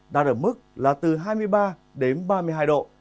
đạt ở mức là từ hai mươi ba đến ba mươi hai độ